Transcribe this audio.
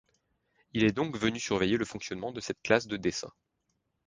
Il est donc venu surveiller le fonctionnement de cette classe de dessin.